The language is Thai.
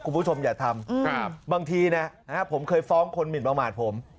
คุณผู้ชมอย่าทำบางทีนะผมเคยฟ้องคนหมินประมาทผม